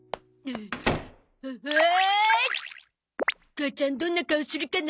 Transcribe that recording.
母ちゃんどんな顔するかな？